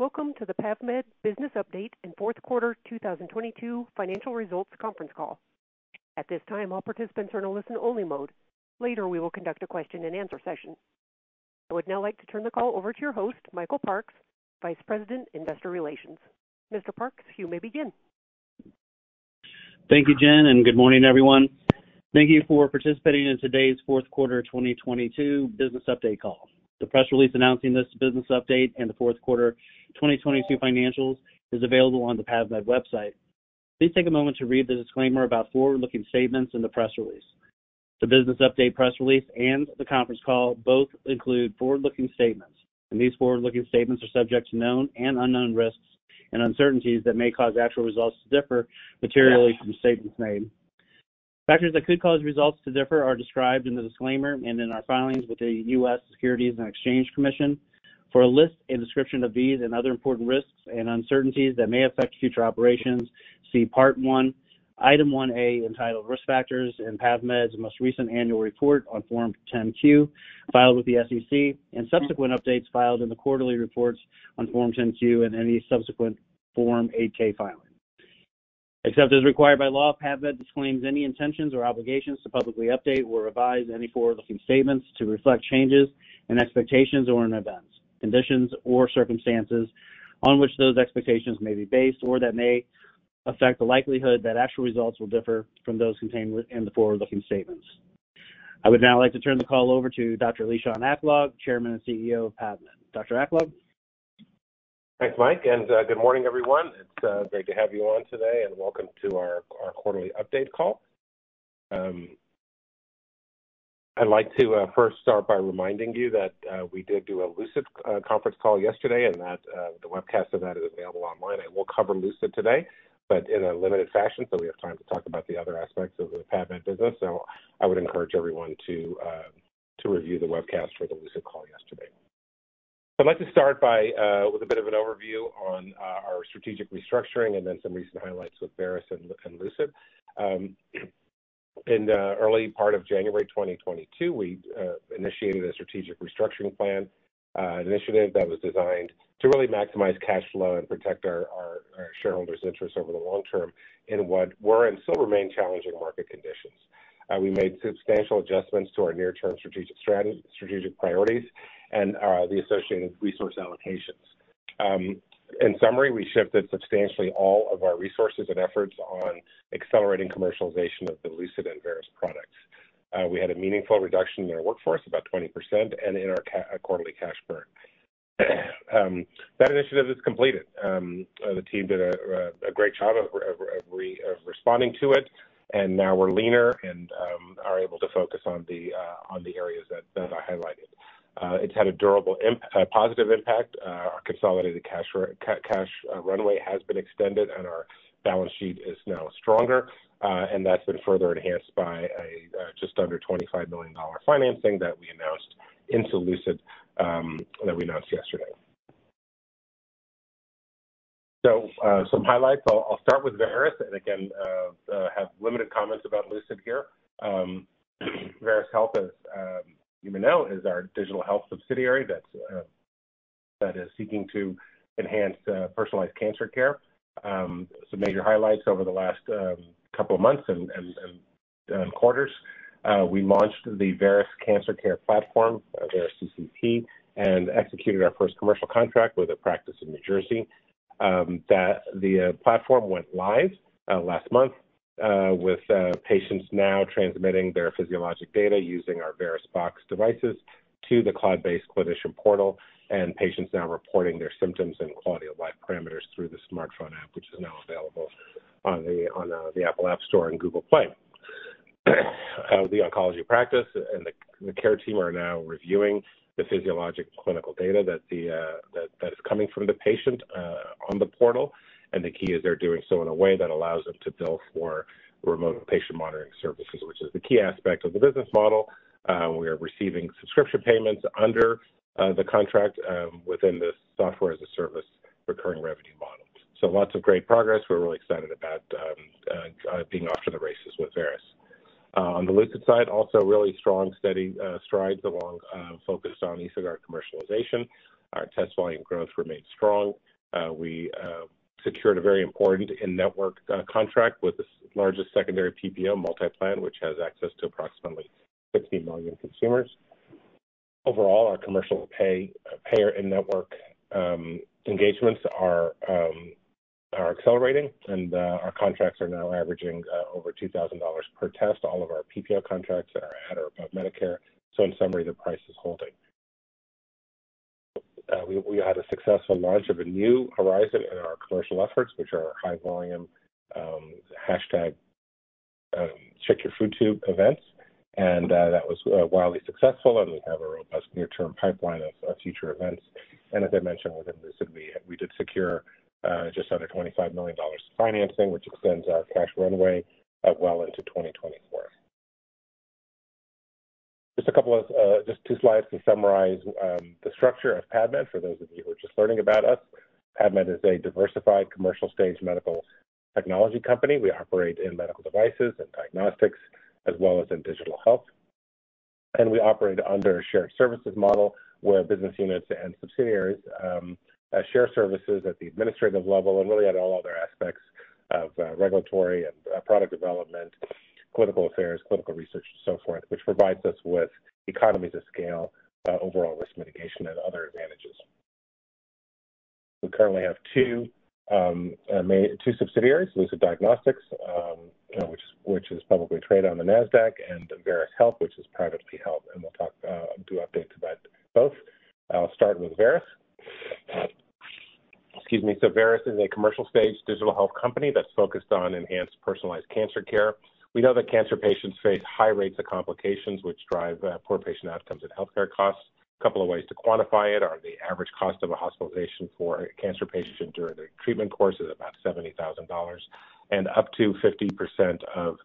Welcome to the PAVmed Business Update and Q4 2022 financial results conference call. At this time, all participants are in a listen only mode. Later, we will conduct a question and answer session. I would now like to turn the call over to your host, Michael Parks, Vice President, Investor Relations. Mr. Parks, you may begin. Thank you, Jen. Good morning, everyone. Thank you for participating in today's Q4 2022 business update call. The press release announcing this business update and the Q4 2022 financials is available on the PAVmed website. Please take a moment to read the disclaimer about forward-looking statements in the press release. The business update press release and the conference call both include forward-looking statements, and these forward-looking statements are subject to known and unknown risks and uncertainties that may cause actual results to differ materially from statements made. Factors that could cause results to differ are described in the disclaimer and in our filings with the U.S. Securities and Exchange Commission. For a list and description of these and other important risks and uncertainties that may affect future operations, see Part One, Item One A, entitled Risk Factors in PAVmed's most recent annual report on Form 10-Q filed with the SEC, and subsequent updates filed in the quarterly reports on Form 10-Q and any subsequent Form 8-K filing. Except as required by law, PAVmed disclaims any intentions or obligations to publicly update or revise any forward-looking statements to reflect changes in expectations or in events, conditions, or circumstances on which those expectations may be based, or that may affect the likelihood that actual results will differ from those contained within the forward-looking statements. I would now like to turn the call over to Dr. Lishan Aklog, Chairman and CEO of PAVmed. Dr. Aklog? Thanks, Mike. Good morning, everyone. It's great to have you on today, and welcome to our quarterly update call. I'd like to first start by reminding you that we did do a Lucid conference call yesterday and that the webcast of that is available online. We'll cover Lucid today, but in a limited fashion, so we have time to talk about the other aspects of the PAVmed business. I would encourage everyone to review the webcast for the Lucid call yesterday. I'd like to start by with a bit of an overview on our strategic restructuring and then some recent highlights with Veris and Lucid. In the early part of January 2022, we initiated a strategic restructuring plan, an initiative that was designed to really maximize cash flow and protect our shareholders' interests over the long term in what were and still remain challenging market conditions. We made substantial adjustments to our near-term strategic priorities and the associated resource allocations. In summary, we shifted substantially all of our resources and efforts on accelerating commercialization of the Lucid and Veris products. We had a meaningful reduction in our workforce, about 20%, and in our quarterly cash burn. That initiative is completed. The team did a great job of responding to it, and now we're leaner and are able to focus on the areas that I highlighted. It's had a durable positive impact. Our consolidated cash runway has been extended and our balance sheet is now stronger. And that's been further enhanced by a just under $25 million financing that we announced into Lucid that we announced yesterday. Some highlights. I'll start with Veris, and again, have limited comments about Lucid here. Veris Health, as you may know, is our digital health subsidiary that's that is seeking to enhance personalized cancer care. Some major highlights over the last couple of months and quarters. We launched the Veris Cancer Care Platform, Veris CCP, and executed our first commercial contract with a practice in New Jersey. The platform went live last month with patients now transmitting their physiologic data using our VerisBox devices to the cloud-based clinician portal and patients now reporting their symptoms and quality of life parameters through the smartphone app, which is now available on the Apple App Store and Google Play. The oncology practice and the care team are now reviewing the physiologic clinical data that is coming from the patient on the portal, and the key is they're doing so in a way that allows them to bill for remote patient monitoring services, which is the key aspect of the business model. We are receiving subscription payments under the contract within this Software as a Service recurring revenue model. Lots of great progress. We're really excited about being off to the races with Veris. On the Lucid side, also really strong, steady strides along focused on EsoGuard commercialization. Our test volume growth remains strong. We secured a very important in-network contract with the largest secondary PPO MultiPlan, which has access to approximately 60 million consumers. Overall, our commercial pay payer in-network engagements are accelerating and our contracts are now averaging over $2,000 per test. All of our PPO contracts are at or above Medicare, so in summary, the price is holding. We had a successful launch of a new horizon in our commercial efforts, which are high volume, hashtag #CheckYourFoodTube events, and that was wildly successful. We have a robust near-term pipeline of future events. As I mentioned within Lucid, we did secure just under $25 million financing, which extends our cash runway well into 2024. Just a couple of just two slides to summarize the structure of PAVmed, for those of you who are just learning about us. PAVmed is a diversified commercial stage medical technology company. We operate in medical devices and diagnostics as well as in digital health. We operate under a shared services model where business units and subsidiaries share services at the administrative level and really at all other aspects of regulatory and product development, clinical affairs, clinical research and so forth, which provides us with economies of scale, overall risk mitigation and other advantages. We currently have two subsidiaries, Lucid Diagnostics, which is publicly traded on the Nasdaq and Veris Health, which is privately held, and we'll talk, do updates about both. I'll start with Veris. Excuse me. Veris is a commercial stage digital health company that's focused on enhanced personalized cancer care. We know that cancer patients face high rates of complications which drive poor patient outcomes and healthcare costs. A couple of ways to quantify it are the average cost of a hospitalization for a cancer patient during their treatment course is about $70,000 and up to 50% of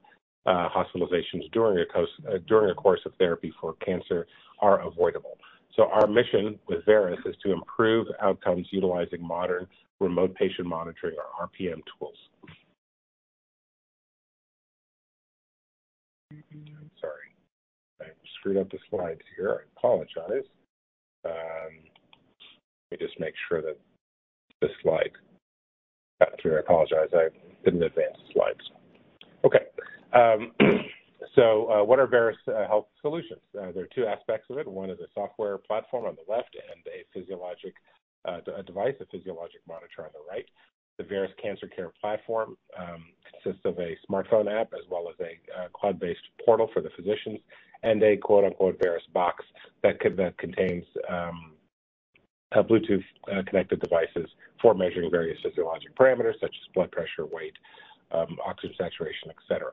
hospitalizations during a course of therapy for cancer are avoidable. Our mission with Veris is to improve outcomes utilizing modern remote patient monitoring or RPM tools. I'm sorry. I screwed up the slides here. I apologize. Let me just make sure that the slide... I apologize. I didn't advance the slides. Okay. What are Veris Health solutions? There are two aspects of it. One is a software platform on the left and a physiologic device, a physiologic monitor on the right. The Veris Cancer Care Platform consists of a smartphone app as well as a cloud-based portal for the physicians and a quote-unquote VerisBox that contains Bluetooth connected devices for measuring various physiologic parameters such as blood pressure, weight, oxygen saturation, et cetera.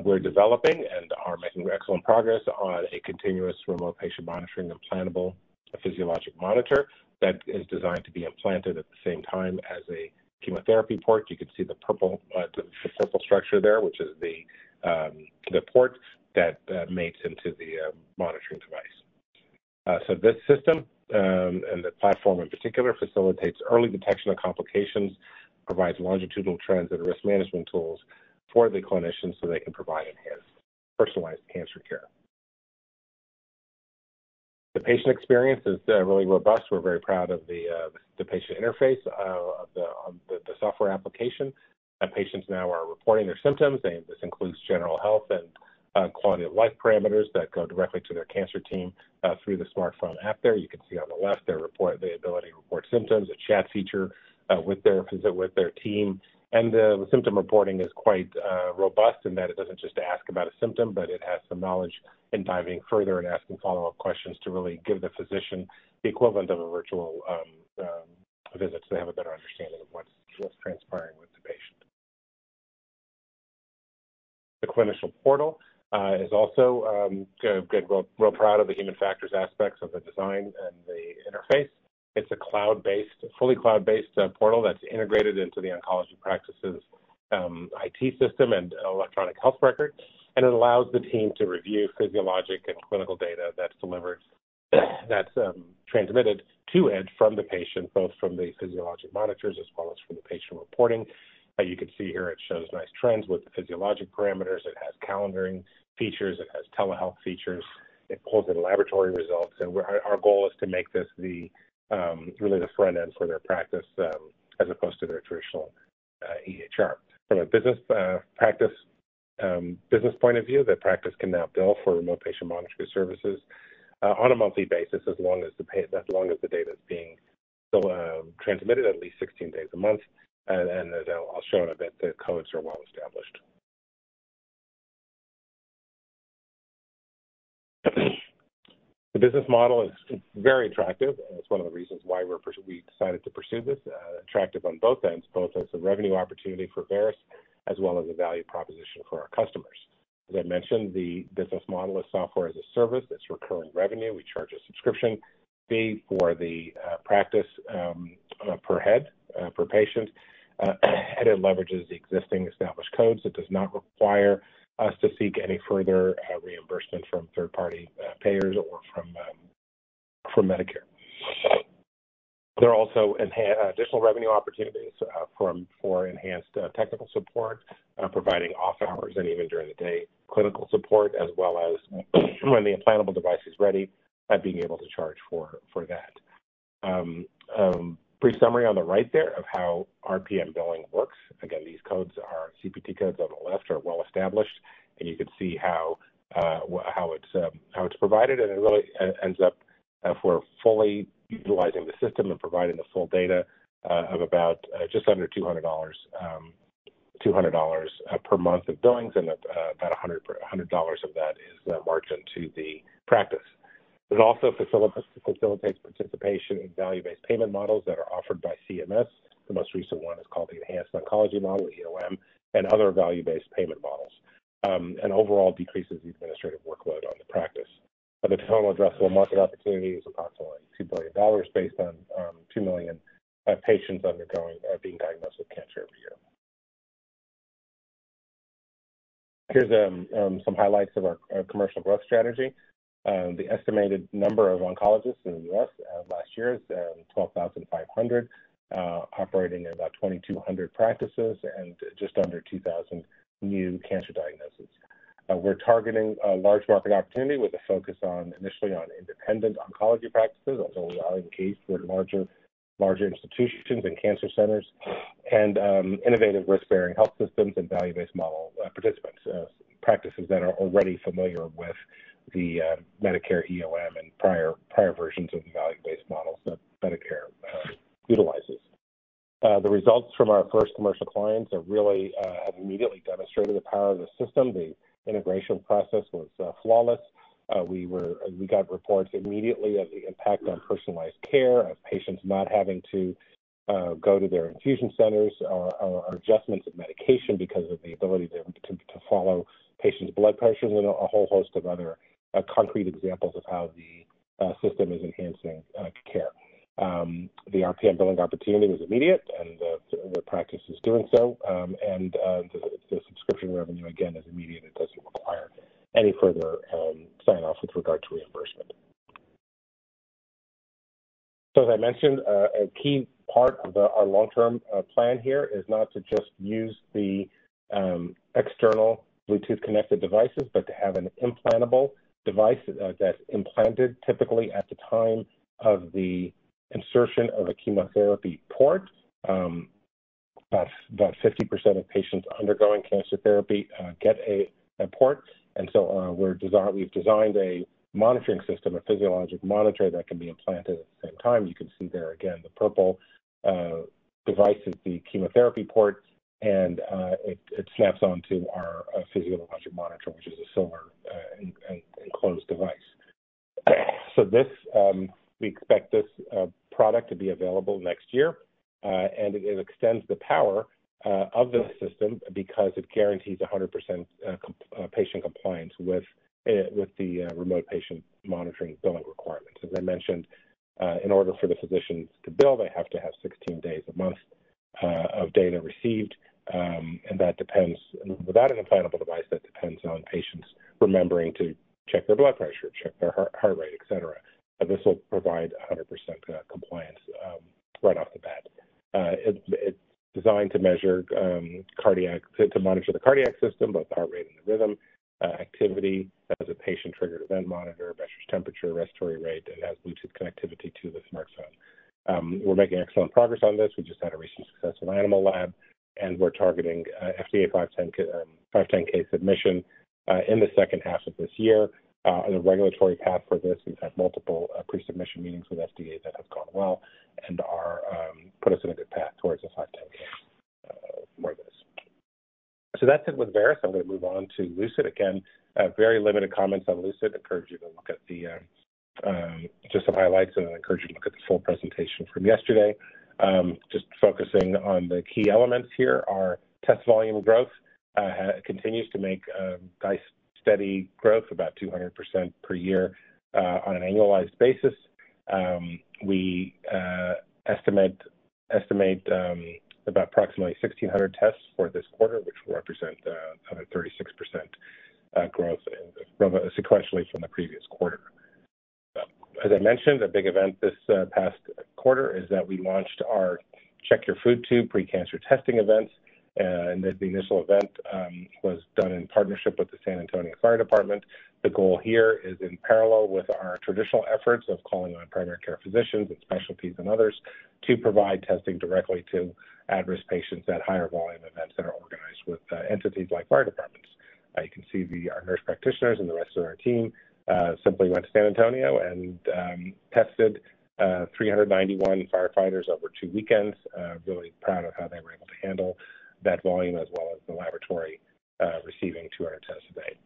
We're developing and are making excellent progress on a continuous remote patient monitoring implantable physiologic monitor that is designed to be implanted at the same time as a chemotherapy port. You can see the purple, the purple structure there, which is the port that mates into the monitoring device. This system, and the platform in particular facilitates early detection of complications, provides longitudinal trends and risk management tools for the clinicians so they can provide enhanced personalized cancer care. The patient experience is really robust. We're very proud of the patient interface of the software application. Patients now are reporting their symptoms. This includes general health and quality of life parameters that go directly to their cancer team, through the smartphone app there. You can see on the left the ability to report symptoms, a chat feature, with their team. The symptom reporting is quite robust in that it doesn't just ask about a symptom, but it has some knowledge in diving further and asking follow-up questions to really give the physician the equivalent of a virtual visit, so they have a better understanding of what's transpiring with the patient. The clinician portal is also good. We're real proud of the human factors aspects of the design and the interface. It's a cloud-based, fully cloud-based portal that's integrated into the oncology practices' IT system and electronic health record. It allows the team to review physiologic and clinical data that's transmitted to and from the patient, both from the physiologic monitors as well as from the patient reporting. You can see here it shows nice trends with the physiologic parameters. It has calendaring features. It has telehealth features. It pulls in laboratory results. Our goal is to make this the really the front end for their practice as opposed to their traditional EHR. From a business practice business point of view, the practice can now bill for remote patient monitoring services on a monthly basis as long as the data is being transmitted at least 16 days a month. I'll show in a bit, the codes are well established. The business model is very attractive, and it's one of the reasons why we decided to pursue this. Attractive on both ends, both as a revenue opportunity for Veris as well as a value proposition for our customers. As I mentioned, the business model is software as a service. It's recurring revenue. We charge a subscription fee for the practice, per head, per patient. It leverages the existing established codes. It does not require us to seek any further reimbursement from third party payers or from Medicare. There are also additional revenue opportunities for enhanced technical support, providing off hours and even during the day clinical support as well as when the implantable device is ready, being able to charge for that. Brief summary on the right there of how RPM billing works. Again, these codes are CPT codes on the left are well established, and you can see how it's how it's provided. It really ends up, if we're fully utilizing the system and providing the full data, of about just under $200 per month of billings and about $100 of that is margin to the practice. It also facilitates participation in value-based payment models that are offered by CMS. The most recent one is called the Enhancing Oncology Model, EOM, and other value-based payment models. Overall decreases the administrative workload on the practice. The total addressable market opportunity is approximately $2 billion based on 2 million patients undergoing or being diagnosed with cancer every year. Here's some highlights of our commercial growth strategy. The estimated number of oncologists in the U.S. last year is 12,500, operating in about 2,200 practices and just under 2,000 new cancer diagnoses. We're targeting a large market opportunity with a focus initially on independent oncology practices, although we are engaged with larger institutions and cancer centers and innovative risk-bearing health systems and value-based model participants. Practices that are already familiar with the Medicare EOM and prior versions of the value-based models that Medicare utilizes. The results from our first commercial clients really have immediately demonstrated the power of the system. The integration process was flawless. We got reports immediately of the impact on personalized care, of patients not having to go to their infusion centers, or adjustments of medication because of the ability to follow patients' blood pressures and a whole host of other concrete examples of how the system is enhancing care. The RPM billing opportunity was immediate and the practice is doing so, and the subscription revenue again is immediate. It doesn't require any further sign-off with regard to reimbursement. As I mentioned, a key part of our long-term plan here is not to just use the external Bluetooth-connected devices, but to have an implantable device that's implanted typically at the time of the insertion of a chemotherapy port. About 50% of patients undergoing cancer therapy get a port. We've designed a monitoring system, a physiologic monitor that can be implanted at the same time. You can see there again, the purple device is the chemotherapy port, and it snaps onto our physiologic monitor, which is a silver enclosed device. We expect this product to be available next year. It extends the power of the system because it guarantees 100% patient compliance with the remote patient monitoring billing requirements. As I mentioned, in order for the physicians to bill, they have to have 16 days a month of data received, that depends... Without an implantable device, that depends on patients remembering to check their blood pressure, check their heart rate, et cetera. This will provide 100% compliance right off the bat. It's designed to measure cardiac to monitor the cardiac system, both the heart rate and the rhythm activity as a patient-triggered event monitor, measures temperature, respiratory rate, it has Bluetooth connectivity to the smartphone. We're making excellent progress on this. We just had a recent success in animal lab, and we're targeting FDA 510(k) submission in the second half of this year. On the regulatory path for this, we've had multiple pre-submission meetings with FDA that have gone well and are put us in a good path towards a 510(k) for this. That's it with Veris. I'm gonna move on to Lucid. Again, very limited comments on Lucid. I encourage you to look at the, just some highlights, and I encourage you to look at the full presentation from yesterday. Just focusing on the key elements here. Our test volume growth continues to make a nice steady growth, about 200% per year on an annualized basis. We estimate about approximately 1,600 tests for this quarter, which will represent a 36% grow sequentially from the previous quarter. As I mentioned, a big event this past quarter is that we launched our #CheckYourFoodTube pre-cancer testing events, and the initial event was done in partnership with the San Antonio Fire Department. The goal here is in parallel with our traditional efforts of calling on primary care physicians and specialties and others to provide testing directly to at-risk patients at higher volume events that are organized with entities like fire departments. You can see the, our nurse practitioners and the rest of our team simply went to San Antonio and tested 391 firefighters over two weekends. Really proud of how they were able to handle that volume as well as the laboratory receiving 200 tests a day.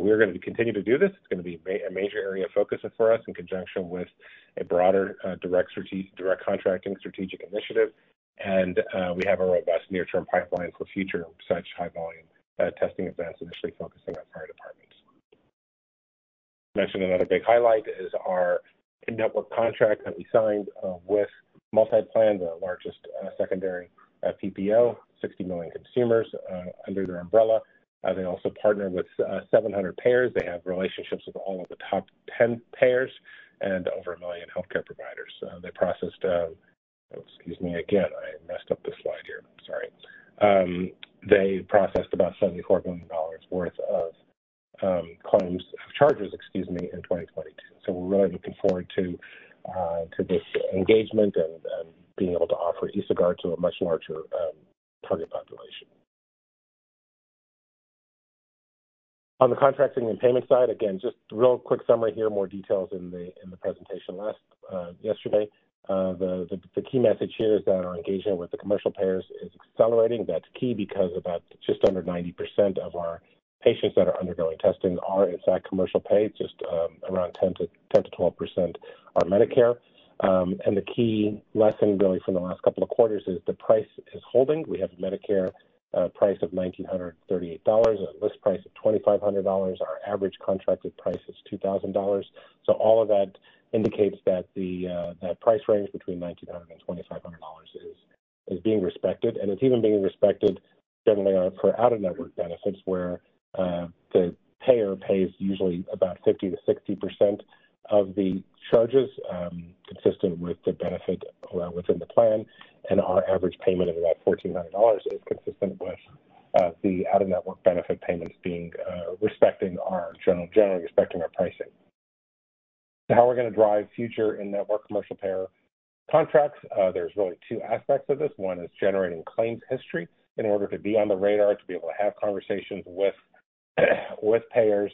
We're gonna continue to do this. It's gonna be a major area of focus for us in conjunction with a broader direct contracting strategic initiative. We have a robust near-term pipeline for future such high volume testing events, initially focusing on fire departments. Mentioned another big highlight is our in-network contract that we signed with MultiPlan, the largest secondary PPO, 60 million consumers under their umbrella. They also partner with 700 payers. They have relationships with all of the top 10 payers and over 1 million healthcare providers. They processed. Excuse me again, I messed up the slide here. I'm sorry. They processed about $74 billion worth of charges, excuse me, in 2022. We're really looking forward to this engagement and being able to offer EsoGuard to a much larger target population. On the contracting and payment side, again, just real quick summary here. More details in the presentation last yesterday. The key message here is that our engagement with the commercial payers is accelerating. That's key because about just under 90% of our patients that are undergoing testing are in fact commercial pay. Around 10%-12% are Medicare. The key lesson really from the last couple of quarters is the price is holding. We have Medicare price of $1,938, a list price of $2,500. Our average contracted price is $2,000. All of that indicates that the price range between $1,900-$2,500 is being respected, and it's even being respected generally for out-of-network benefits where the payer pays usually about 50%-60% of the charges, consistent with the benefit allowed within the plan. Our average payment of about $1,400 is consistent with the out-of-network benefit payments being respecting our... Generally respecting our pricing. How we're going to drive future in-network commercial payer contracts, there's really two aspects of this. One is generating claims history. In order to be on the radar, to be able to have conversations with payers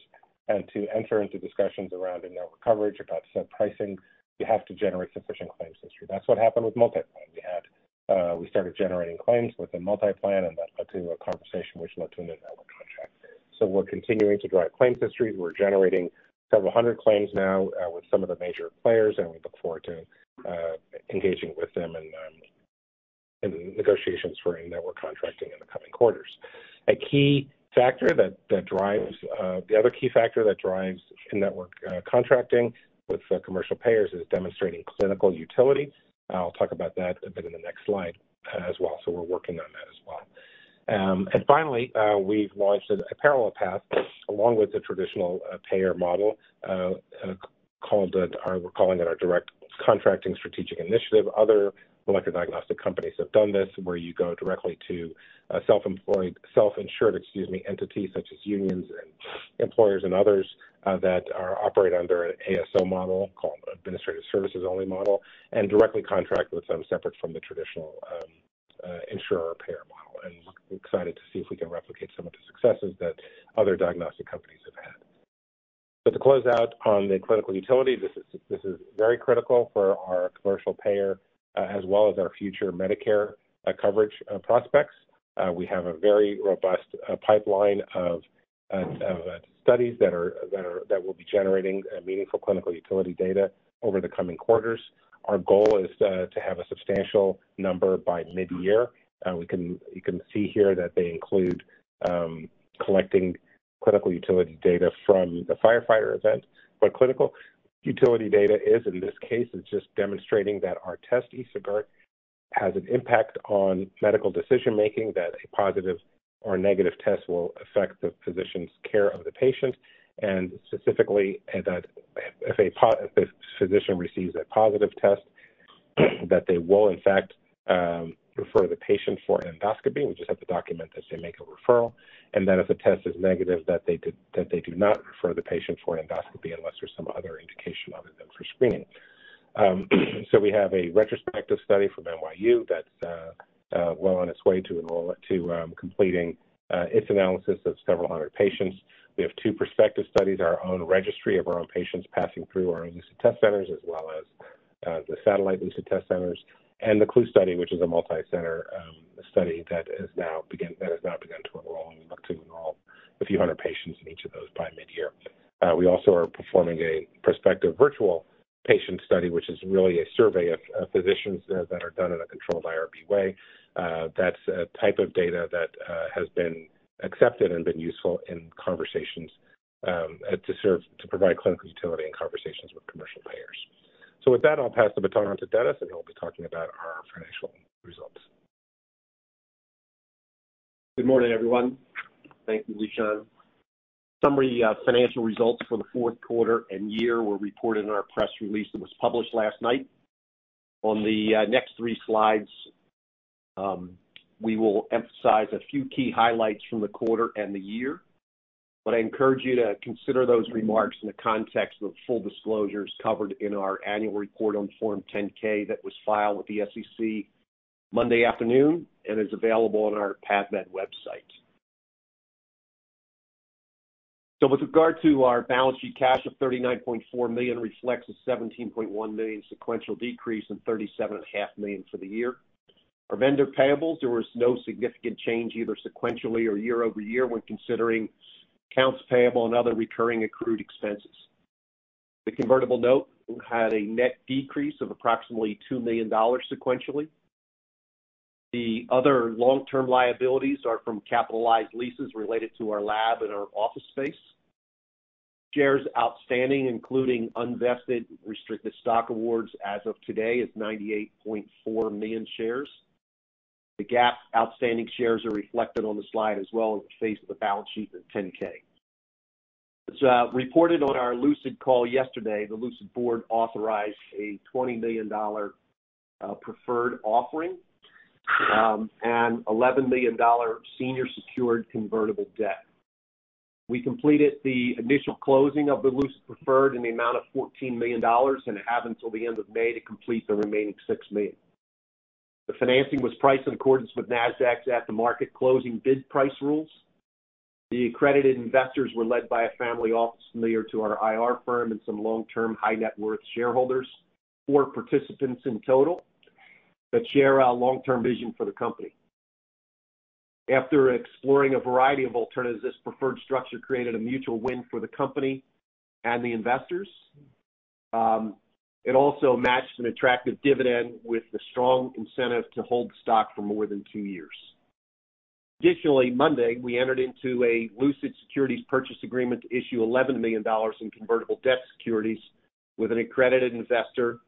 and to enter into discussions around in-network coverage, about set pricing, you have to generate sufficient claims history. That's what happened with MultiPlan. We had, we started generating claims with the MultiPlan, that led to a conversation which led to a network contract. We're continuing to drive claims history. We're generating several hundred claims now with some of the major players, and we look forward to engaging with them in negotiations for in-network contracting in the coming quarters. A key factor that drives, the other key factor that drives in-network, contracting with, commercial payers is demonstrating clinical utility. I'll talk about that a bit in the next slide as well. We're working on that as well. Finally, we've launched a parallel path along with the traditional payer model. We're calling it our direct contracting strategic initiative. Other molecular diagnostic companies have done this, where you go directly to a self-employed, self-insured, excuse me, entity such as unions and employers and others, that are operate under ASO model, called Administrative Services Only model, and directly contract with them separate from the traditional, insurer or payer model. We're excited to see if we can replicate some of the successes that other diagnostic companies have had. To close out on the clinical utility, this is very critical for our commercial payer, as well as our future Medicare, coverage, prospects. We have a very robust pipeline of studies that will be generating meaningful clinical utility data over the coming quarters. Our goal is to have a substantial number by midyear. You can see here that they include collecting clinical utility data from the firefighter event. What clinical utility data is in this case is just demonstrating that our test, EsoGuard, has an impact on medical decision-making, that a positive or negative test will affect the physician's care of the patient, and specifically, that if a physician receives a positive test, that they will in fact, refer the patient for an endoscopy. We just have to document that they make a referral. If a test is negative, that they do not refer the patient for an endoscopy unless there's some other indication other than for screening. We have a retrospective study from NYU that's well on its way to completing its analysis of several hundred patients. We have two prospective studies, our own registry of our own patients passing through our own Lucid Test Centers, as well as the satellite Lucid Test Centers, and the CLUE study, which is a multicenter study that has now begun to enroll, and we look to enroll a few hundred patients in each of those by midyear. We also are performing a prospective virtual patient study, which is really a survey of physicians that are done in a controlled IRB way. That's a type of data that has been accepted and been useful in conversations to serve to provide clinical utility and conversations with commercial payers. With that, I'll pass the baton on to Dennis, and he'll be talking about our financial results. Good morning, everyone. Thank you, Lishan. Summary, financial results for the Q4 and year were reported in our press release that was published last night. On the next three slides, we will emphasize a few key highlights from the quarter and the year, but I encourage you to consider those remarks in the context of full disclosures covered in our annual report on Form 10-K that was filed with the SEC Monday afternoon and is available on our PAVmed website. With regard to our balance sheet, cash of $39.4 million reflects a $17.1 million sequential decrease and $37.5 million for the year. Our vendor payables, there was no significant change either sequentially or year-over-year when considering accounts payable and other recurring accrued expenses. The convertible note had a net decrease of approximately $2 million sequentially. The other long-term liabilities are from capitalized leases related to our lab and our office space. Shares outstanding, including unvested restricted stock awards as of today, is 98.4 million shares. The GAAP outstanding shares are reflected on the slide as well as the face of the balance sheet of the 10-K. As reported on our Lucid call yesterday, the Lucid board authorized a $20 million preferred offering and $11 million senior secured convertible debt. We completed the initial closing of the Lucid preferred in the amount of $14 million and have until the end of May to complete the remaining $6 million. The financing was priced in accordance with Nasdaq's at-the-market closing bid price rules. The accredited investors were led by a family office familiar to our IR firm and some long-term high-net-worth shareholders, four participants in total, that share our long-term vision for the company. After exploring a variety of alternatives, this preferred structure created a mutual win for the company and the investors. It also matched an attractive dividend with the strong incentive to hold the stock for more than two years. Additionally, Monday, we entered into a Lucid securities purchase agreement to issue $11 million in convertible debt securities with an accredited investor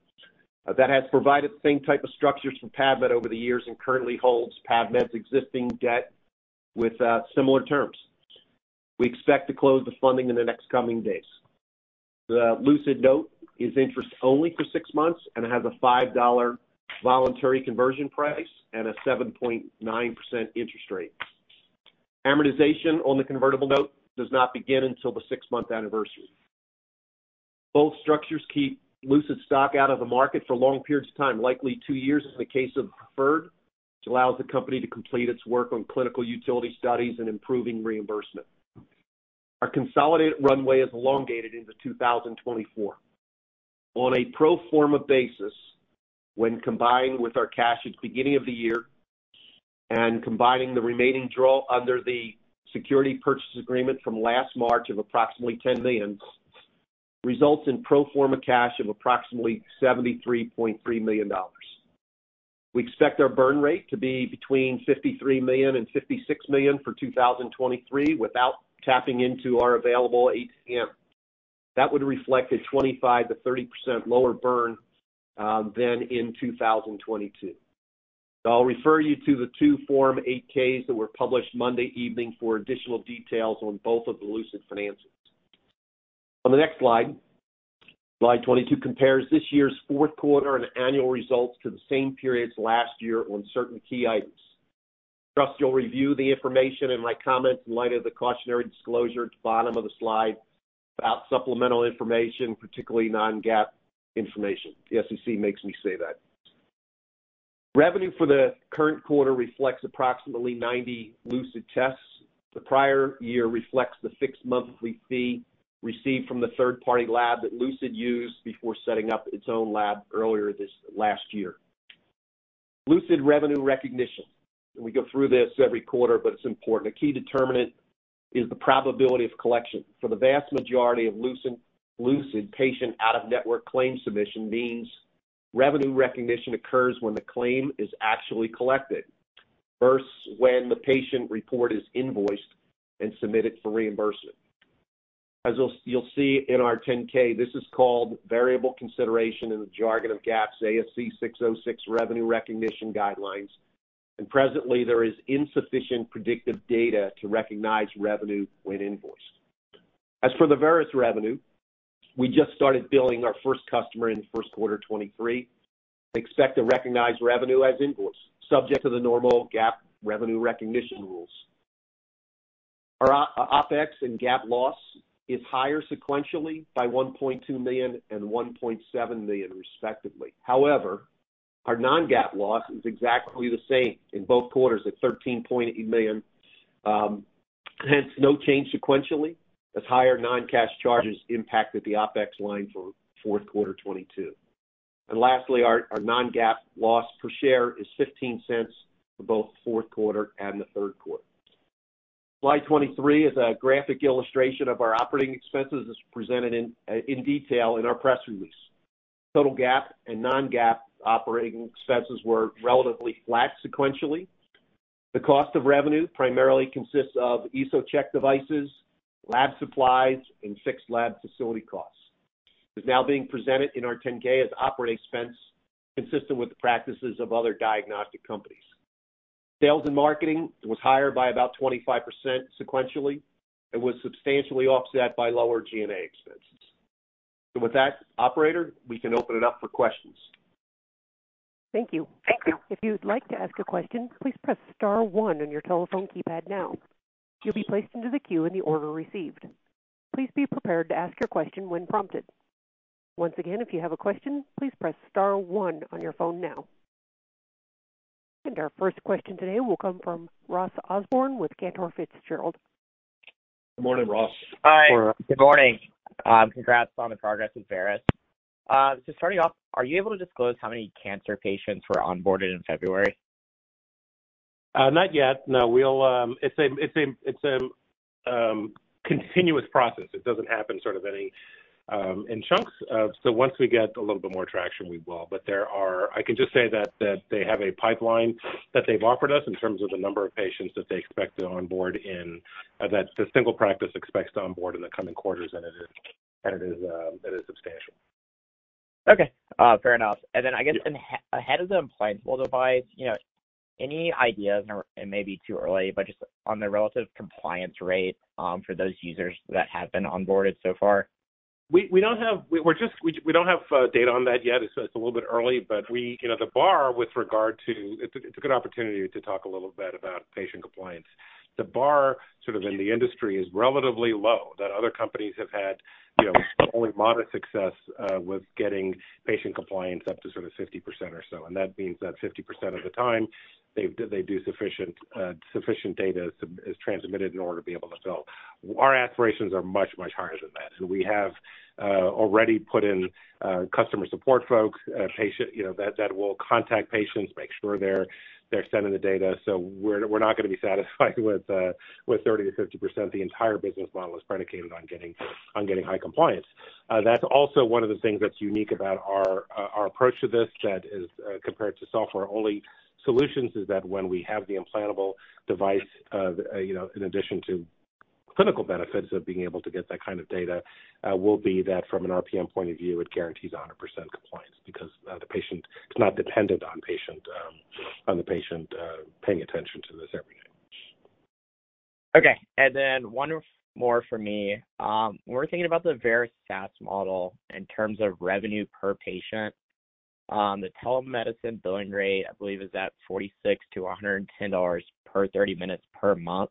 that has provided the same type of structures for PAVmed over the years and currently holds PAVmed's existing debt with similar terms. We expect to close the funding in the next coming days. The Lucid note is interest only for six months and has a $5 voluntary conversion price and a 7.9% interest rate. Amortization on the convertible note does not begin until the six-month anniversary. Both structures keep Lucid stock out of the market for long periods of time, likely two years in the case of preferred, which allows the company to complete its work on clinical utility studies and improving reimbursement. Our consolidated runway is elongated into 2024. On a pro forma basis, when combined with our cash at the beginning of the year and combining the remaining draw under the security purchase agreement from last March of approximately $10 million, results in pro forma cash of approximately $73.3 million. We expect our burn rate to be between $53 million and $56 million for 2023 without tapping into our available ATM. That would reflect a 25%-30% lower burn than in 2022. I'll refer you to the 2 Form 8-Ks that were published Monday evening for additional details on both of the Lucid finances. On the next slide 22 compares this year's Q4 and annual results to the same periods last year on certain key items. Trust you'll review the information in my comments in light of the cautionary disclosure at the bottom of the slide about supplemental information, particularly non-GAAP information. The SEC makes me say that. Revenue for the current quarter reflects approximately 90 Lucid tests. The prior year reflects the fixed monthly fee received from the third-party lab that Lucid used before setting up its own lab earlier this last year. Lucid revenue recognition, and we go through this every quarter, but it's important. A key determinant is the probability of collection. For the vast majority of Lucid patient out-of-network claims submission means revenue recognition occurs when the claim is actually collected versus when the patient report is invoiced and submitted for reimbursement. As you'll see in our 10-K, this is called variable consideration in the jargon of GAAP's ASC 606 revenue recognition guidelines. Presently, there is insufficient predictive data to recognize revenue when invoiced. As for the Veris revenue, we just started billing our first customer in Q1 2023. Expect to recognize revenue as invoice subject to the normal GAAP revenue recognition rules. Our Opex and GAAP loss is higher sequentially by $1.2 million and $1.7 million, respectively. However, our non-GAAP loss is exactly the same in both quarters at $13.8 million, hence no change sequentially as higher non-cash charges impacted the Opex line for Q4 2022. Lastly, our non-GAAP loss per share is $0.15 for both Q4 and the Q3. Slide 23 is a graphic illustration of our operating expenses as presented in detail in our press release. Total GAAP and non-GAAP operating expenses were relatively flat sequentially. The cost of revenue primarily consists of EsoCheck devices, lab supplies, and fixed lab facility costs. It's now being presented in our 10-K as operating expense consistent with the practices of other diagnostic companies. Sales and marketing was higher by about 25% sequentially and was substantially offset by lower G&A expenses. With that, operator, we can open it up for questions. Thank you. Thank you. If you would like to ask a question, please press star one on your telephone keypad now. You'll be placed into the queue in the order received. Please be prepared to ask your question when prompted. Once again, if you have a question, please press star one on your phone now. Our first question today will come from Ross Osborn with Cantor Fitzgerald. Morning, Ross. Hi. Good morning. Congrats on the progress with Veris. Starting off, are you able to disclose how many cancer patients were onboarded in February? Not yet. No. We'll. It's a continuous process. It doesn't happen sort of any in chunks. Once we get a little bit more traction, we will. There are, I can just say that they have a pipeline that they've offered us in terms of the number of patients that they expect to onboard in. That the single practice expects to onboard in the coming quarters, and it is substantial. Okay, fair enough. I guess ahead of the implantable device, you know, any ideas, or it may be too early, but just on the relative compliance rate, for those users that have been onboarded so far? We don't have data on that yet. It's a little bit early. You know, it's a good opportunity to talk a little bit about patient compliance. The bar, sort of in the industry, is relatively low, that other companies have had, you know, only moderate success with getting patient compliance up to sort of 50% or so. That means that 50% of the time they do sufficient data is transmitted in order to be able to bill. Our aspirations are much higher than that. We have already put in customer support folks, patient, you know, that will contact patients, make sure they're sending the data. We're not gonna be satisfied with 30%-50%. The entire business model is predicated on getting high compliance. That's also one of the things that's unique about our approach to this that is compared to software-only solutions, is that when we have the implantable device, you know, in addition to. Clinical benefits of being able to get that kind of data, will be that from an RPM point of view, it guarantees 100% compliance because, it's not dependent on the patient, paying attention to this every day. Okay. Then one more for me. When we're thinking about the Veris SaaS model in terms of revenue per patient, the telemedicine billing rate, I believe, is at $46-$110 per 30 minutes per month.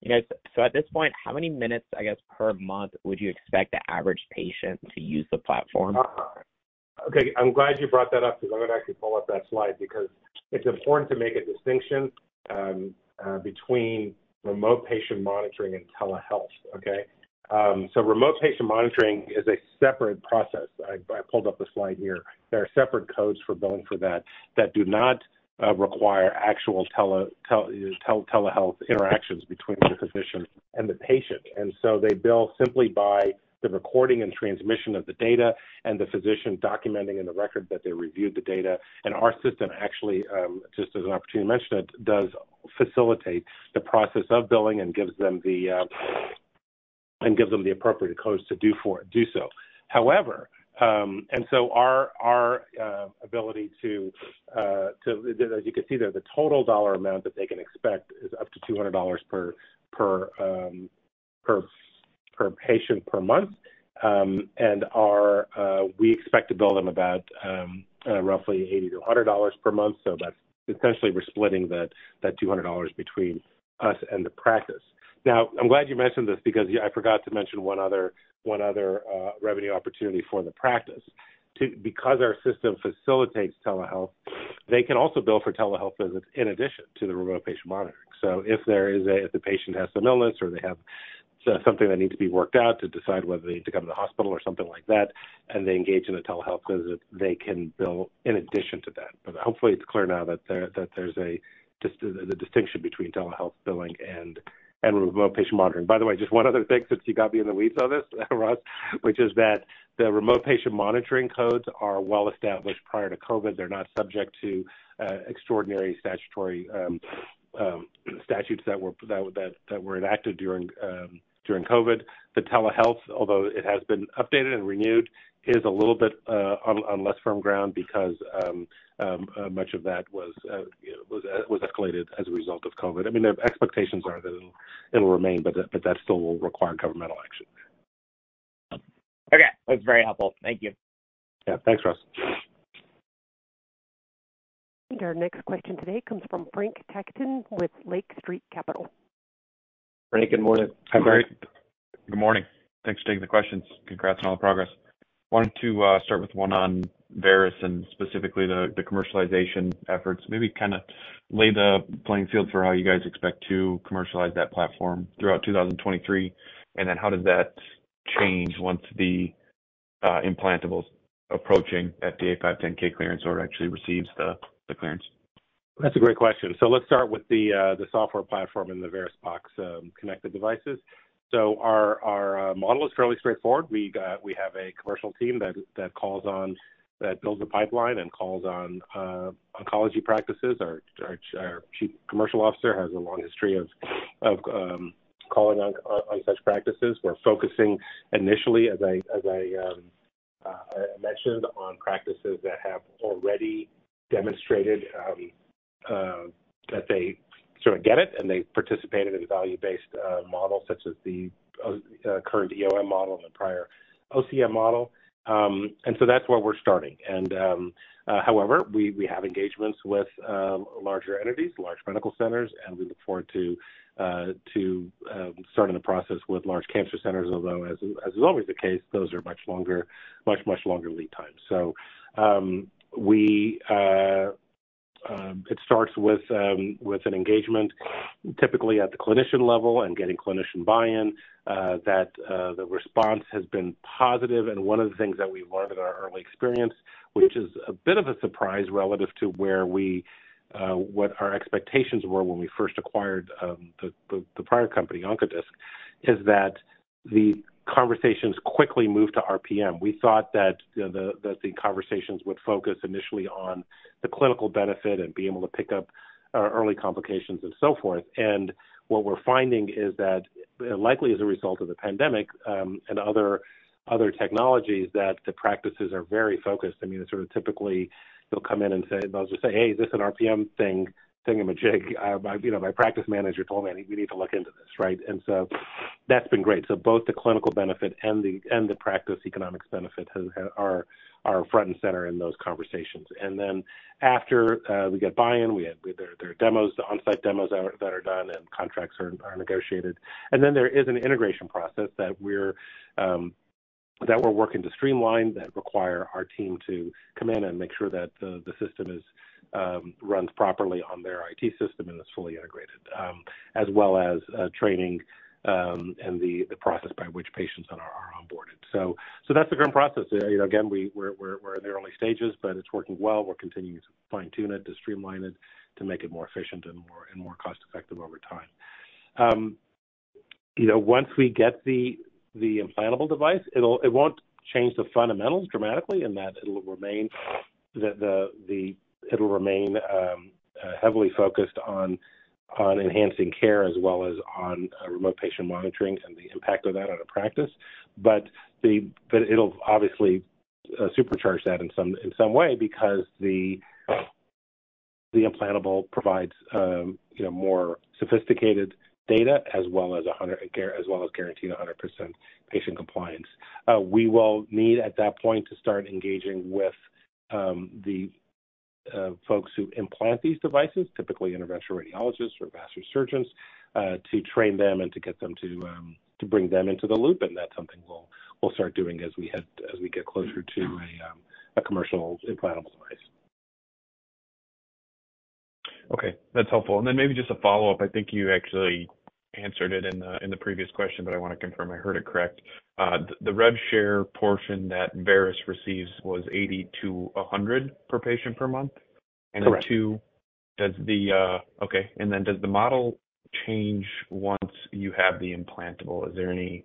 You know, so at this point, how many minutes, I guess, per month would you expect the average patient to use the platform? Okay. I'm glad you brought that up because I'm gonna actually pull up that slide because it's important to make a distinction between remote patient monitoring and telehealth. Okay? Remote patient monitoring is a separate process. I pulled up the slide here. There are separate codes for billing for that do not require actual telehealth interactions between the physician and the patient. They bill simply by the recording and transmission of the data and the physician documenting in the record that they reviewed the data. Our system actually, just as an opportunity to mention it, does facilitate the process of billing and gives them the appropriate codes to do so. However, our ability to... As you can see, the total dollar amount that they can expect is up to $200 per patient per month. We expect to bill them about roughly $80 to $100 per month. That's essentially we're splitting that $200 between us and the practice. Now, I'm glad you mentioned this because I forgot to mention one other revenue opportunity for the practice. Because our system facilitates telehealth, they can also bill for telehealth visits in addition to the remote patient monitoring. If the patient has an illness or they have something that needs to be worked out to decide whether they need to come to the hospital or something like that, and they engage in a telehealth visit, they can bill in addition to that. Hopefully it's clear now that there's the distinction between telehealth billing and remote patient monitoring. By the way, just one other thing since you got me in the weeds on this, Ross, which is that the remote patient monitoring codes are well established prior to COVID. They're not subject to extraordinary statutory statutes that were enacted during COVID. The telehealth, although it has been updated and renewed, is a little bit, on less firm ground because, much of that was, you know, escalated as a result of COVID. I mean, the expectations are that it'll remain, but that still will require governmental action. Okay. That's very helpful. Thank you. Yeah. Thanks, Ross. Our next question today comes from Frank Takkinen with Lake Street Capital. Frank, good morning. Hi, great. Good morning. Thanks for taking the questions. Congrats on all the progress. Wanted to start with one on Veris Health and specifically the commercialization efforts. Maybe kinda lay the playing field for how you guys expect to commercialize that platform throughout 2023, and then how does that change once the implantable's approaching FDA 510(k) clearance or actually receives the clearance? That's a great question. Let's start with the software platform and the VerisBox connected devices. Our model is fairly straightforward. We have a commercial team that builds the pipeline and calls on oncology practices. Our chief commercial officer has a long history of calling on such practices. We're focusing initially, as I mentioned on practices that have already demonstrated that they sort of get it and they participated in a value-based model such as the current EOM model and the prior OCM model. That's where we're starting. However, we have engagements with larger entities, large medical centers, and we look forward to starting the process with large cancer centers, although, as is always the case, those are much longer lead times. It starts with an engagement typically at the clinician level and getting clinician buy-in that the response has been positive. One of the things that we've learned in our early experience, which is a bit of a surprise relative to where we what our expectations were when we first acquired the prior company, Oncodisc, is that the conversations quickly moved to RPM. We thought that, you know, that the conversations would focus initially on the clinical benefit and being able to pick up early complications and so forth. What we're finding is that, likely as a result of the pandemic, and other technologies, that the practices are very focused. I mean, it's sort of typically they'll come in and say, they'll just say, "Hey, is this an RPM thingamajig? My, you know, my practice manager told me we need to look into this," right? That's been great. Both the clinical benefit and the practice economics benefit are front and center in those conversations. Then after we get buy-in, there are demos, on-site demos that are done and contracts are negotiated. There is an integration process that we're that we're working to streamline that require our team to come in and make sure that the system is runs properly on their IT system and is fully integrated as well as training and the process by which patients are onboarded. That's the current process. You know, again, we're in the early stages, but it's working well. We're continuing to fine-tune it, to streamline it, to make it more efficient and more and more cost-effective over time. You know, once we get the implantable device, it won't change the fundamentals dramatically in that it'll remain the it'll remain heavily focused on enhancing care as well as on remote patient monitoring and the impact of that on a practice. It'll obviously supercharge that in some way because the implantable provides, you know, more sophisticated data as well as guaranteeing 100% patient compliance. We will need at that point to start engaging with the folks who implant these devices, typically interventional radiologists or vascular surgeons, to train them and to get them to bring them into the loop. That's something we'll start doing as we get closer to a commercial implantable device. Okay, that's helpful. Maybe just a follow-up. I think you actually answered it in the, in the previous question, but I wanna confirm I heard it correct. The rev share portion that Veris receives was $80-$100 per patient per month? Correct. Then does the model change once you have the implantable? Is there any.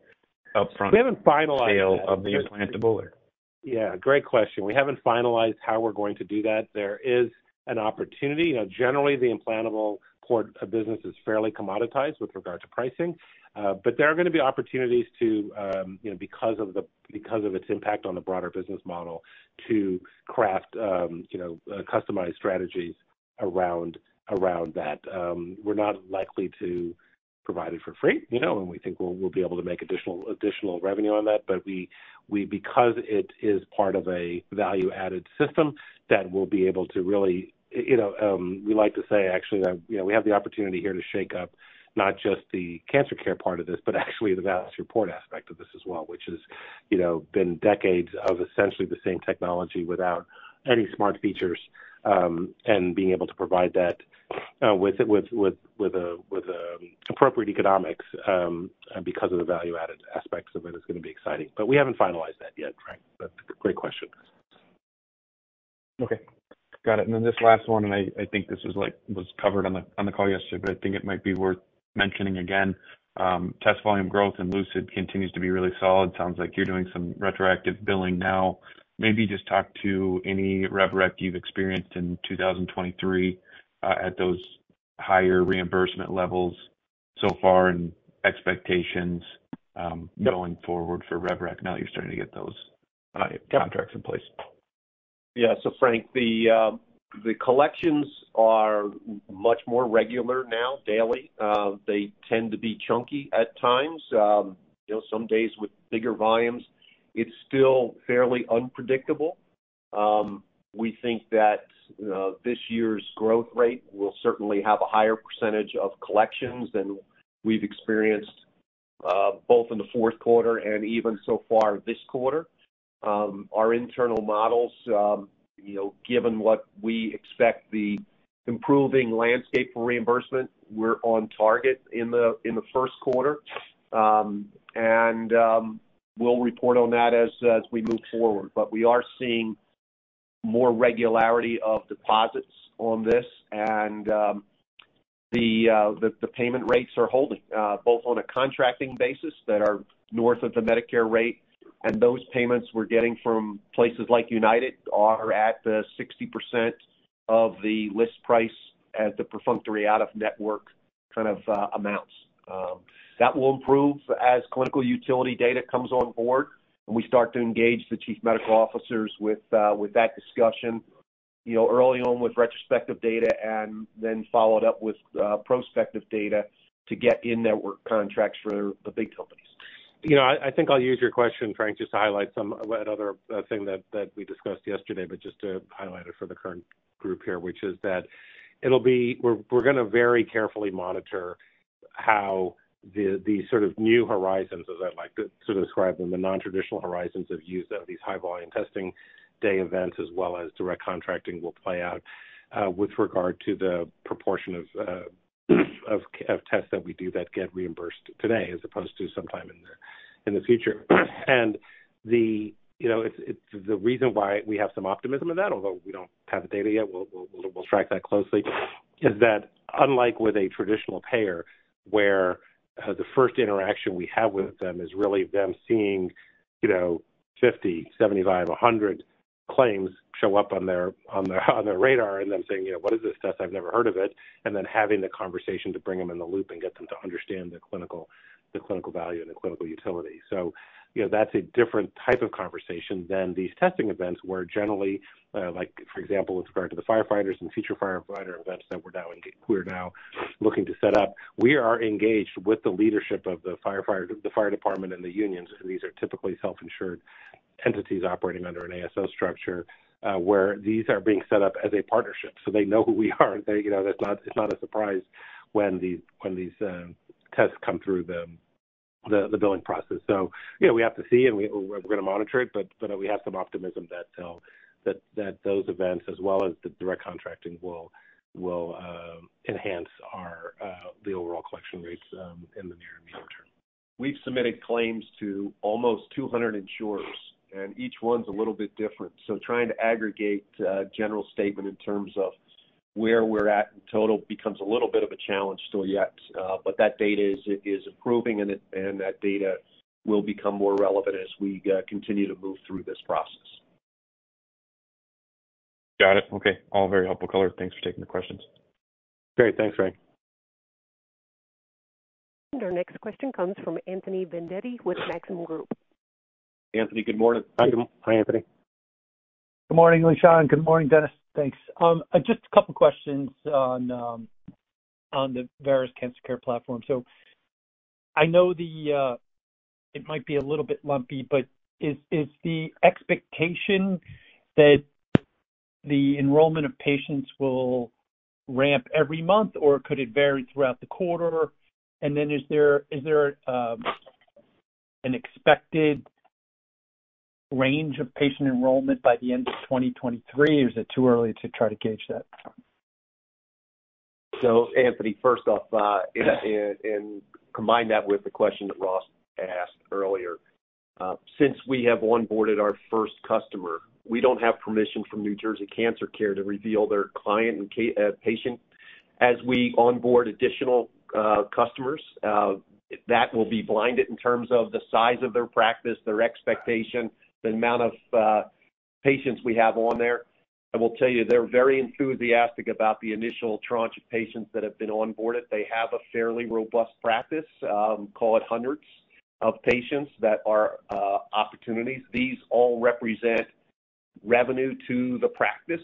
We haven't finalized that yet. sale of the implantable or? Yeah, great question. We haven't finalized how we're going to do that. There is an opportunity. You know, generally the implantable port business is fairly commoditized with regard to pricing. There are gonna be opportunities to, you know, because of its impact on the broader business model to craft, you know, customized strategies around that. We're not likely to provide it for free, you know. We think we'll be able to make additional revenue on that. We because it is part of a value-added system that we'll be able to really... You know, we like to say actually that, you know, we have the opportunity here to shake up not just the cancer care part of this, but actually the value support aspect of this as well, which has, you know, been decades of essentially the same technology without any smart features, and being able to provide that with appropriate economics because of the value-added aspects of it is gonna be exciting. We haven't finalized that yet, Frank. Great question. Okay. Got it. This last one, and I think this was covered on the, on the call yesterday, but I think it might be worth mentioning again. Test volume growth in Lucid continues to be really solid. Sounds like you're doing some retroactive billing now. Maybe just talk to any rev rec you've experienced in 2023 at those higher reimbursement levels so far and expectations going forward for rev rec now that you're starting to get those contracts in place. Yeah. Frank, the collections are much more regular now, daily. They tend to be chunky at times, you know, some days with bigger volumes. It's still fairly unpredictable. We think that this year's growth rate will certainly have a higher percentage of collections than we've experienced, both in the Q4 and even so far this quarter. Our internal models, you know, given what we expect the improving landscape for reimbursement, we're on target in the Q1. We'll report on that as we move forward. We are seeing more regularity of deposits on this and the payment rates are holding both on a contracting basis that are north of the Medicare rate, and those payments we're getting from places like UnitedHealthcare are at the 60% of the list price at the perfunctory out-of-network kind of amounts. That will improve as clinical utility data comes on board, and we start to engage the chief medical officers with that discussion, you know, early on with retrospective data and then followed up with prospective data to get in-network contracts for the big companies. You know, I think I'll use your question, Frank, just to highlight another thing that we discussed yesterday, but just to highlight it for the current group here, which is that it'll be... We're gonna very carefully monitor how the sort of new horizons, as I like to describe them, the non-traditional horizons of use of these high volume testing day events as well as direct contracting will play out with regard to the proportion of tests that we do that get reimbursed today as opposed to sometime in the, in the future. You know, it's the reason why we have some optimism in that, although we don't have the data yet, we'll track that closely, is that unlike with a traditional payer, where the first interaction we have with them is really them seeing, you know, 50, 75, 100 claims show up on their radar and them saying, "You know, what is this test? I've never heard of it." Then having the conversation to bring them in the loop and get them to understand the clinical value and the clinical utility. You know, that's a different type of conversation than these testing events, where generally, like for example, with regard to the firefighters and future firefighter events that we're now looking to set up, we are engaged with the leadership of the fire department and the unions. These are typically self-insured entities operating under an ASO structure, where these are being set up as a partnership. They know who we are. They, you know, it's not a surprise when these tests come through the billing process. You know, we have to see and we're gonna monitor it, but we have some optimism that those events as well as the direct contracting will enhance our the overall collection rates in the near and near term. We've submitted claims to almost 200 insurers, each one's a little bit different. Trying to aggregate a general statement in terms of where we're at in total becomes a little bit of a challenge still yet. That data is improving and that data will become more relevant as we continue to move through this process. Got it. Okay. All very helpful color. Thanks for taking the questions. Great. Thanks, Frank. Our next question comes from Anthony Vendetti with Maxim Group. Anthony, good morning. Hi, Anthony. Good morning, Lishan. Good morning, Dennis. Thanks. Just a couple of questions on the Veris Cancer Care Platform. I know it might be a little bit lumpy, but is the expectation that the enrollment of patients will ramp every month, or could it vary throughout the quarter? Is there an expected range of patient enrollment by the end of 2023, or is it too early to try to gauge that? Anthony, first off, and combine that with the question that Ross asked earlier. Since we have onboarded our first customer, we don't have permission from New Jersey Cancer Care to reveal their client and patient. As we onboard additional customers, that will be blinded in terms of the size of their practice, their expectation, the amount of patients we have on there. I will tell you, they're very enthusiastic about the initial tranche of patients that have been onboarded. They have a fairly robust practice, call it hundreds of patients that are opportunities. These all represent revenue to the practice.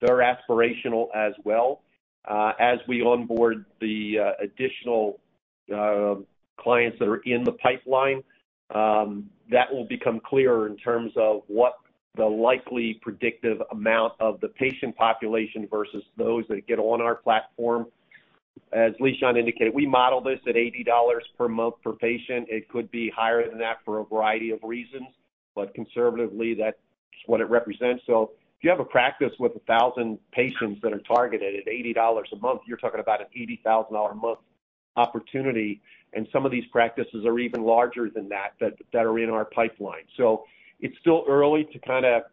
They're aspirational as well. As we onboard the additional clients that are in the pipeline, that will become clearer in terms of what the likely predictive amount of the patient population versus those that get on our platform. As Lishan indicated, we model this at $80 per month per patient. It could be higher than that for a variety of reasons, but conservatively, that's what it represents. If you have a practice with 1,000 patients that are targeted at $80 a month, you're talking about an $80,000 a month opportunity, and some of these practices are even larger than that that are in our pipeline. It's still early to kinda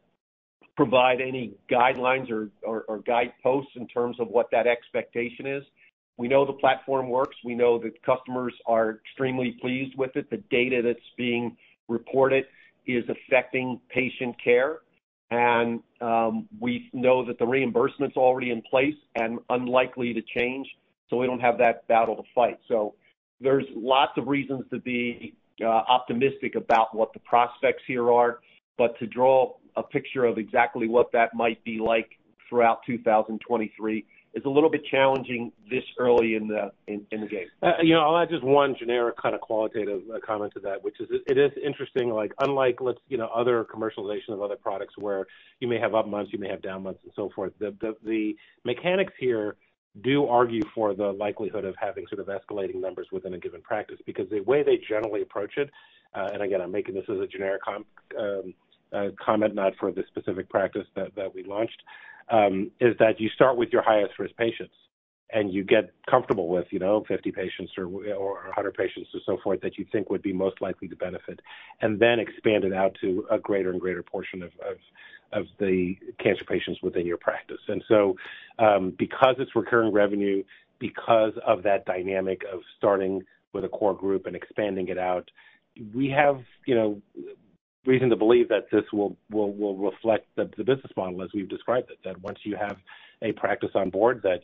provide any guidelines or guideposts in terms of what that expectation is. We know the platform works. We know that customers are extremely pleased with it. The data that's being reported is affecting patient care. We know that the reimbursement's already in place and unlikely to change, so we don't have that battle to fight. There's lots of reasons to be optimistic about what the prospects here are. To draw a picture of exactly what that might be like throughout 2023 is a little bit challenging this early in the game. You know, I'll add just one generic kind of qualitative comment to that, which is it is interesting, like unlike, you know, other commercialization of other products where you may have up months, you may have down months and so forth. The mechanics here do argue for the likelihood of having sort of escalating numbers within a given practice because the way they generally approach it, again, I'm making this as a generic comment, not for the specific practice that we launched, is that you start with your highest-risk patients and you get comfortable with, you know, 50 patients or 100 patients or so forth that you think would be most likely to benefit, and then expand it out to a greater and greater portion of the cancer patients within your practice. Because it's recurring revenue, because of that dynamic of starting with a core group and expanding it out, we have, you know, reason to believe that this will reflect the business model as we've described it. That once you have a practice on board that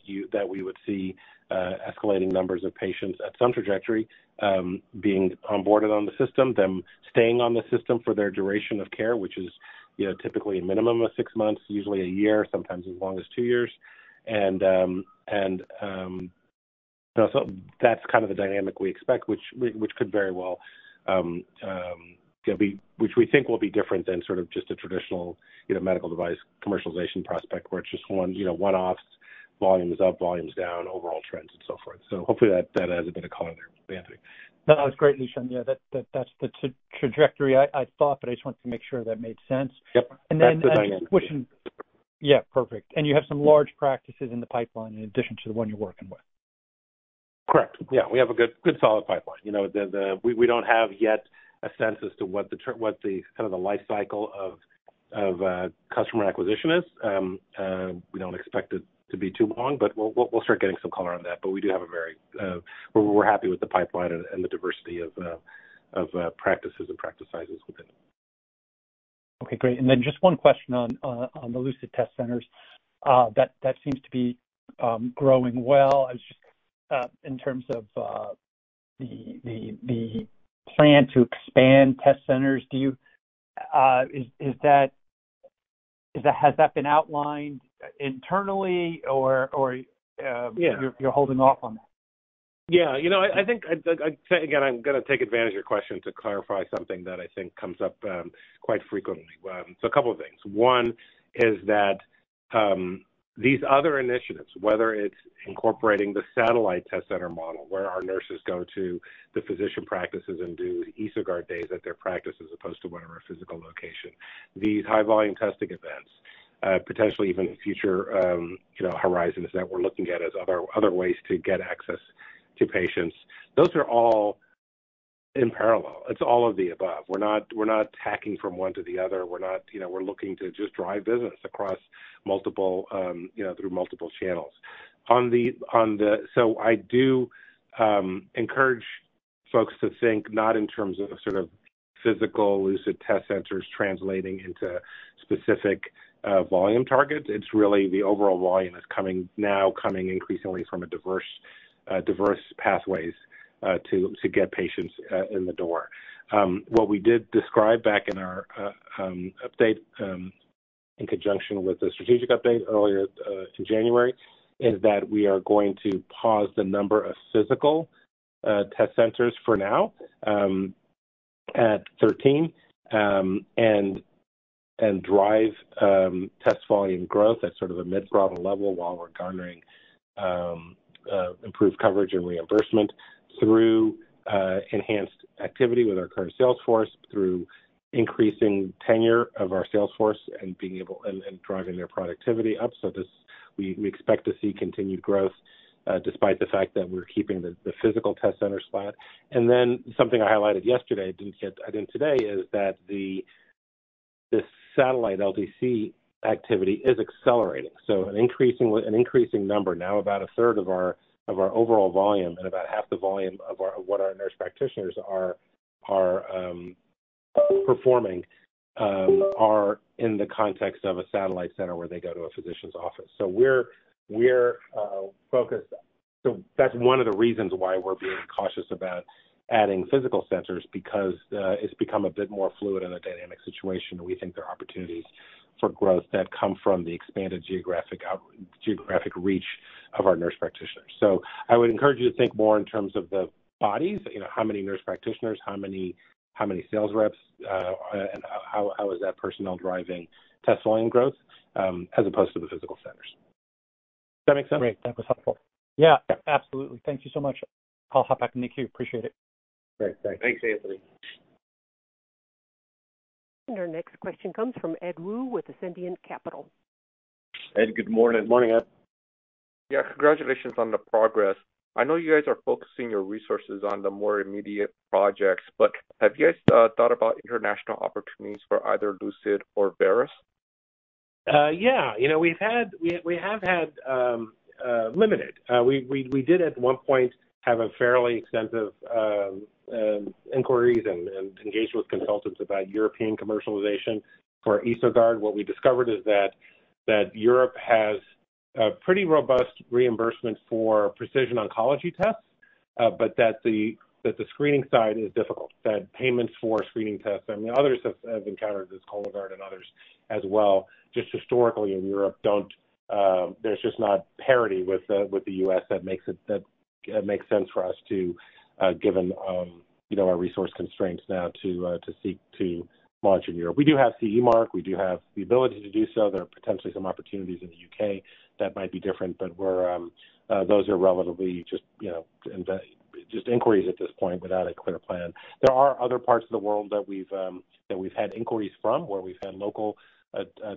we would see escalating numbers of patients at some trajectory being onboarded on the system, them staying on the system for their duration of care, which is, you know, typically a minimum of six months, usually one year, sometimes as long as two years. That's kind of the dynamic we expect, which could very well, you know, which we think will be different than sort of just a traditional, you know, medical device commercialization prospect, where it's just one, you know, one-offs, volume's up, volume's down, overall trends and so forth. Hopefully that adds a bit of color there, Anthony. No, that's great, Lishan. Yeah, that's the trajectory I thought, but I just wanted to make sure that made sense. Yep. That's the dynamic. Yeah, perfect. You have some large practices in the pipeline in addition to the one you're working with. Correct. Yeah, we have a good solid pipeline. You know, we don't have yet a sense as to what the kind of the life cycle of customer acquisition is. We don't expect it to be too long, but we'll start getting some color on that. We're happy with the pipeline and the diversity of practices and practice sizes within. Okay, great. Just one question on the Lucid Test Centers. That seems to be growing well. In terms of the plan to expand Test Centers, has that been outlined internally or? Yeah. You're holding off on that? Yeah. You know, I think Again, I'm gonna take advantage of your question to clarify something that I think comes up quite frequently. A couple of things. One is that these other initiatives, whether it's incorporating the satellite test center model, where our nurses go to the physician practices and do EsoGuard days at their practice as opposed to one of our physical location, these high volume testing events, potentially even future, you know, horizons that we're looking at as other ways to get access to patients, those are all in parallel. It's all of the above. We're not tacking from one to the other. We're not You know, we're looking to just drive business across multiple, you know, through multiple channels. I do encourage folks to think not in terms of sort of physical Lucid Test Centers translating into specific volume targets. It's really the overall volume that's now coming increasingly from a diverse pathways to get patients in the door. What we did describe back in our update, in conjunction with the strategic update earlier in January, is that we are going to pause the number of physical test centers for now at 13. And drive test volume growth at sort of a mid-throttle level while we're garnering improved coverage and reimbursement through enhanced activity with our current sales force, through increasing tenure of our sales force and driving their productivity up. This, we expect to see continued growth despite the fact that we're keeping the physical test centers flat. Something I highlighted yesterday, I did today, is that the satellite LTC activity is accelerating. An increasing number, now about a third of our overall volume and about half the volume of what our nurse practitioners are performing are in the context of a satellite center where they go to a physician's office. We're focused. That's one of the reasons why we're being cautious about adding physical centers, because it's become a bit more fluid and a dynamic situation, and we think there are opportunities for growth that come from the expanded geographic reach of our nurse practitioners. I would encourage you to think more in terms of the bodies, you know, how many nurse practitioners, how many sales reps, and how is that personnel driving test volume growth as opposed to the physical centers. Does that make sense? Great. That was helpful. Yeah, absolutely. Thank you so much. I'll hop back to Nick. Appreciate it. Great. Thanks. Thanks, Anthony. Our next question comes from Ed Woo with Ascendiant Capital. Ed, good morning. Morning, Ed. Yeah, congratulations on the progress. I know you guys are focusing your resources on the more immediate projects, but have you guys thought about international opportunities for either Lucid or Veris? Yeah. You know, we've had, we have had limited. We did at one point have a fairly extensive inquiries and engaged with consultants about European commercialization for EsoGuard. What we discovered is that Europe has a pretty robust reimbursement for precision oncology tests, but that the screening side is difficult, that payments for screening tests, I mean, others have encountered this, Cologuard and others as well, just historically in Europe, don't, there's just not parity with the U.S. that makes it, that makes sense for us to, given, you know, our resource constraints now to seek to launch in Europe. We do have CE mark. We do have the ability to do so. There are potentially some opportunities in the U.K. that might be different, but we're, those are relatively just, you know, just inquiries at this point without a clear plan. There are other parts of the world that we've, that we've had inquiries from, where we've had local,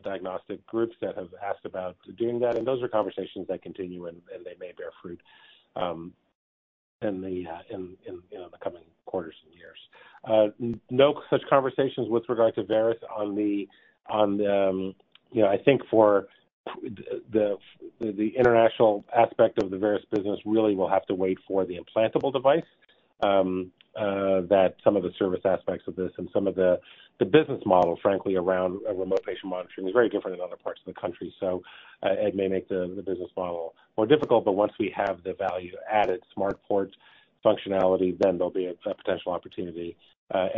diagnostic groups that have asked about doing that, and those are conversations that continue and they may bear fruit, in the, in, you know, the coming quarters and years. No such conversations with regard to Veris on the, on the, you know, I think for the international aspect of the Veris business really will have to wait for the implantable device, that some of the service aspects of this and some of the business model, frankly, around remote patient monitoring is very different in other parts of the country. It may make the business model more difficult, but once we have the value-added smart port functionality, then there'll be a potential opportunity. There,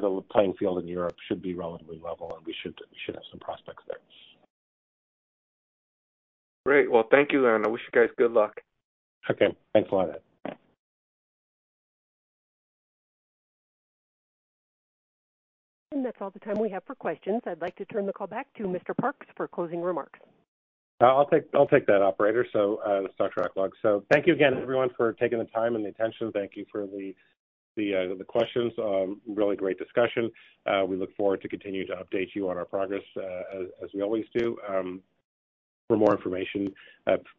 the playing field in Europe should be relatively level, and we should have some prospects there. Great. Well, thank you, Aaron. I wish you guys good luck. Okay, thanks a lot, Ed. That's all the time we have for questions. I'd like to turn the call back to Mr. Parks for closing remarks. I'll take that, operator. This is Dr. Aklog. Thank you again, everyone, for taking the time and the attention. Thank you for the questions. Really great discussion. We look forward to continuing to update you on our progress as we always do. For more information,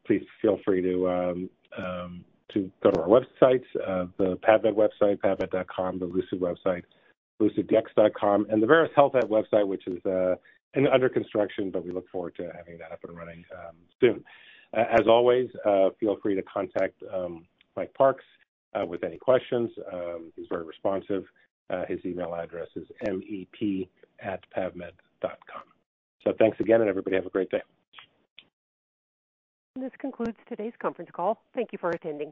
please feel free to go to our websites. The PAVmed website, pavmed.com, the Lucid website, luciddx.com, and the Veris Health website, which is in under construction, but we look forward to having that up and running soon. As always, feel free to contact Mike Parks with any questions. He's very responsive. His email address is mep@pavmed.com. Thanks again, and everybody have a great day. This concludes today's conference call. Thank you for attending.